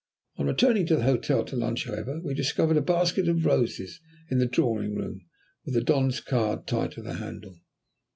On returning to the hotel to lunch, however, we discovered a basket of roses in the drawing room, with the Don's card tied to the handle.